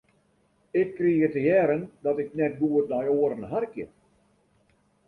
Ik krige te hearren dat ik net goed nei oaren harkje.